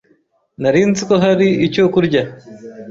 Nari nzi ko hari icyo kurya.